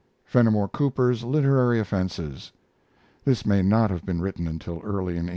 FENIMORE COOPER'S LITERARY OFFENSES [This may not have been written until early in 1894.